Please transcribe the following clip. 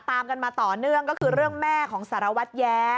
ตามกันมาต่อเนื่องก็คือเรื่องแม่ของสารวัตรแย้